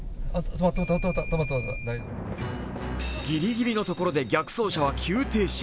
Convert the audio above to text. ぎりぎりのところで逆走車は急停止。